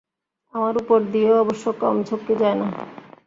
আমার উপর দিয়েও অবশ্য কম ঝক্কি যায়নি।